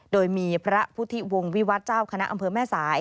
โดยมีพระพุทธิวงวิวัตรเจ้าคณะอำเภอแม่สาย